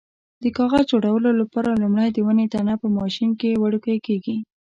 د کاغذ جوړولو لپاره لومړی د ونې تنه په ماشین کې وړوکی کېږي.